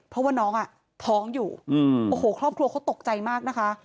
เพราะว่าน้องอ่ะท้องอยู่โอ้โหครอบครัวเขาตกใจมากนะคะ